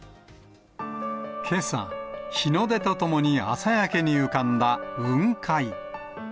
けさ、日の出とともに朝焼けに浮かんだ雲海。